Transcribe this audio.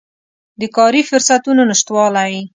د کاري فرصتونو نشتوالی